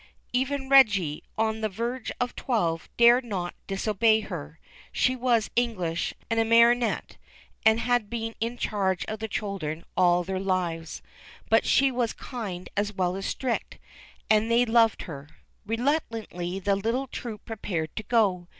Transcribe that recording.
Even Reggie, on the verge of twelve, dare not disobey her. She was English and a marti 332 THE CHILDREN'S WONDER BOOK. net, and had been in charge of the children all their lives ; but she was kind as well as strict, and they loved her. Reluctantly the little troop prepared to go.